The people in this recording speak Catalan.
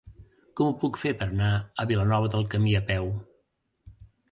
Com ho puc fer per anar a Vilanova del Camí a peu?